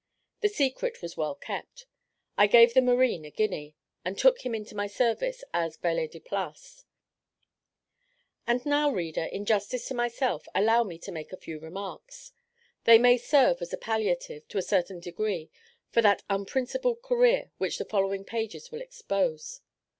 The secret was well kept. I gave the marine a guinea, and took him into my service as valet de place. And now, reader, in justice to myself, allow me to make a few remarks. They may serve as a palliative, to a certain degree, for that unprincipled career which the following pages will expose.